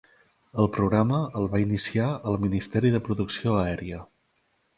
El programa el va iniciar el Ministeri de Producció Aèria.